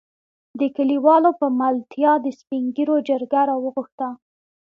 دې کليوالو په ملتيا د سپين ږېرو جرګه راوغښته.